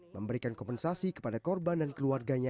memberikan kompensasi kepada korban dan keluarganya